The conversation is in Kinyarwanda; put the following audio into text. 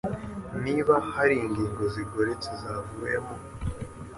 niba hari ingingo zigoretse zavuyemo